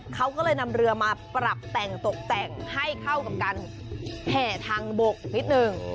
เขาก็เลยนำเรือมาปรับแต่งตกแต่งให้เข้ากับการแห่ทางบกอีกนิดนึง